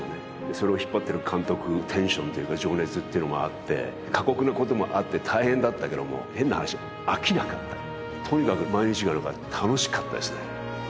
それを引っ張ってる監督テンションっていうか情熱っていうのもあって過酷なこともあって大変だったけども変な話飽きなかったとにかく毎日が何か楽しかったですね